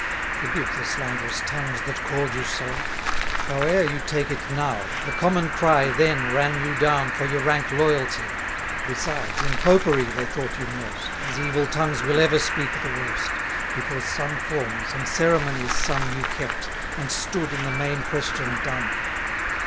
(Forgive the slanderous tongues that call'd you so.) Howe'er you take it now, the common cry Then ran you down for your rank loyalty. Besides, in Popery they thought you nursed, As evil tongues will ever speak the worst, Because some forms, and ceremonies some You kept, and stood in the main question dumb.